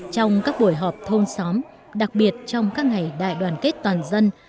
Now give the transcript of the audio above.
trong các buổi họp thôn xóm đặc biệt trong các ngày đại đoàn kết toàn dân